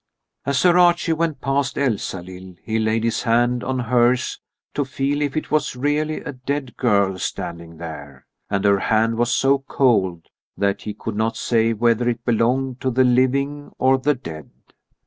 As Sir Archie went past Elsalill he laid his hand on hers to feel if it was really a dead girl standing there. And her hand was so cold that he could not say whether it belonged to the living or the dead.